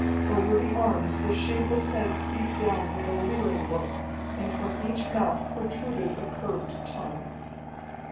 Over the arms the shapeless heads beat down with a leering look, and from each mouth protruded a curved tongue.